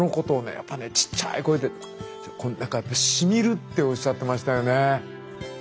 やっぱねちっちゃい声で何かやっぱ「しみる」っておっしゃってましたよね。